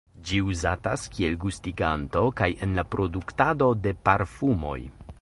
Ĝi uzatas kiel gustiganto kaj en la produktado de parfumoj.